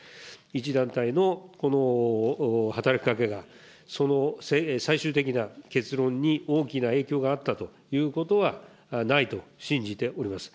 一団体のこの働きかけがその最終的な結論に大きな影響があったということはないと信じております。